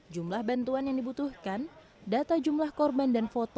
jumlah bantuan yang dibutuhkan data jumlah korban dan foto